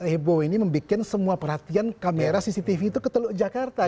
heboh ini membuat semua perhatian kamera cctv itu ke teluk jakarta